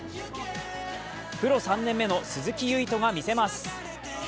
プロ３年目の鈴木唯人が見せます。